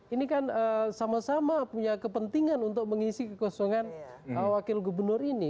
ini kan sama sama punya kepentingan untuk mengisi kekosongan wakil gubernur ini